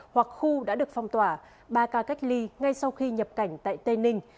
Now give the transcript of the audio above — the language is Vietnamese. hoặc khu đã được phong tỏa ba ca cách ly ngay sau khi nhập cảnh tại tây ninh